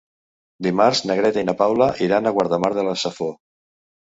Dimarts na Greta i na Paula iran a Guardamar de la Safor.